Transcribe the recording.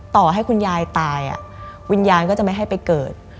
ต่อให้คุณยายตายวิญญาณก็จะไม่ให้ไปเกิด